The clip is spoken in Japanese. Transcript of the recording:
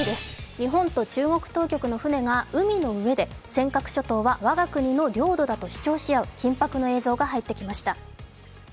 日本と中国当局の船が海の上で尖閣諸島は我が国の領土だと主張し合う緊迫の映像が入ってきました。